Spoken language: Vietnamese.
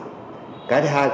các công an thành phố hạ long